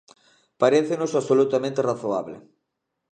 Parécenos absolutamente razoable.